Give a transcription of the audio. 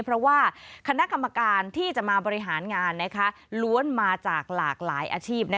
เพราะว่าคณะกรรมการที่จะมาบริหารงานล้วนมาจากหลากหลายอาชีพ